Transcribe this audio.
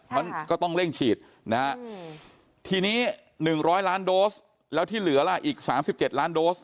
มันก็ต้องเร่งฉีดนะฮะทีนี้๑๐๐ล้านโดสแล้วที่เหลือล่ะอีก๓๗ล้านโดส